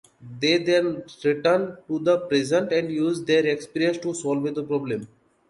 They then return to the present and use their experience to solve the problem.